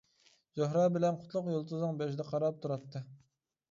زۆھرە بىلەن قۇتلۇق يۇلتۇزنىڭ بېشىدا قاراپ تۇراتتى.